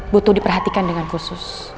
butuh diperhatikan dengan khusus